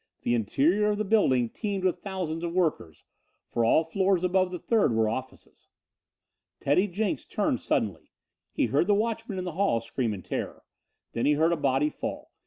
The interior of the building teemed with thousands of workers, for all floors above the third were offices. Teddy Jenks turned suddenly. He heard the watchman in the hall scream in terror. Then he heard a body fall.